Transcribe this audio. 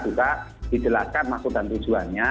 juga dijelaskan maksud dan tujuannya